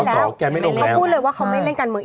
เขาไม่เล่นการเมืองอีก